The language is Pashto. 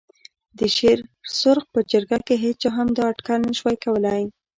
د شېر سرخ په جرګه کې هېچا هم دا اټکل نه شوای کولای.